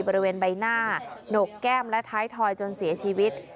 บริเวณใบหน้าหนกแก้มและท้ายทอยจนเสียชีวิต